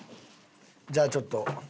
じゃあちょっと。